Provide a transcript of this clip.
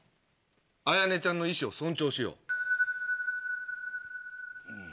綾音ちゃんの意思を尊重しよう。